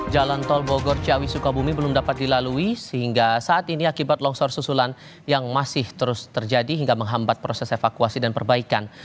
jalan tol bogor ciawi sukabumi belum dapat dilalui sehingga saat ini akibat longsor susulan yang masih terus terjadi hingga menghambat proses evakuasi dan perbaikan